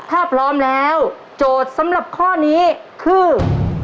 ถ้าพร้อมแล้วโจทย์สำหรับข้อนี้คือ